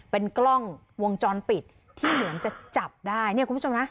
เป็นกล้องวงจรปิดที่เหมือนจะจับได้เนี่ยคุณผู้ชมนะ